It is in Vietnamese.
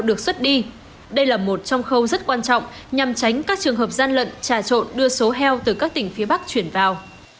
đây là một trong khâu rất quan trọng nhằm tránh các trường hợp gian lận trà trộn đưa số heo từ các tỉnh phía bắc chuyển vào